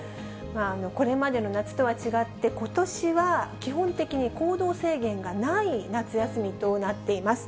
これまでの夏とは違って、ことしは基本的に行動制限がない夏休みとなっています。